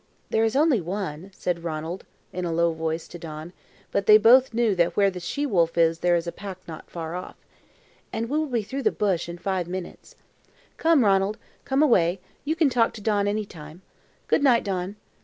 "There is only one," said Ranald in a low voice to Don, but they both knew that where the she wolf is there is a pack not far off. "And we will be through the bush in five minutes." "Come, Ranald! Come away, you can talk to Don any time. Good night, Don."